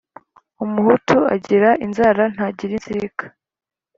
Umuhutu agira inzara ntagira inzika.